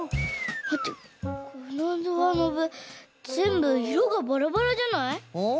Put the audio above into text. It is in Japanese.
まってこのドアノブぜんぶいろがバラバラじゃない？ん？